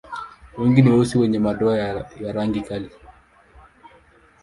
Wengi ni weusi wenye madoa ya rangi kali.